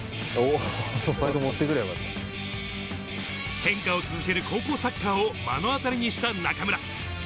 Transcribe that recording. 変化を続ける高校サッカーを目の当りにした中村。